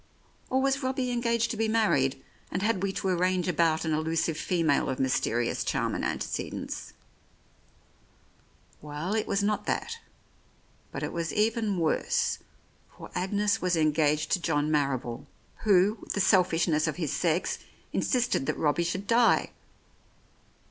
Or was Robbie engaged to be married, and had we to arrange about an elusive female of mysterious charm and antecedents ?... Well, it was not that, but it was even worse, for Agnes was engaged to John Marrible, who, with the selfishness of his sex, insisted that Robbie should die.